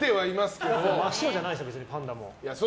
真っ白じゃないですよねパンダも。